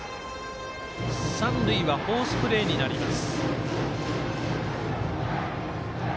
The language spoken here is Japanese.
三塁はフォースプレーになります。